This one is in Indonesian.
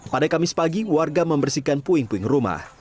pada kamis pagi warga membersihkan puing puing rumah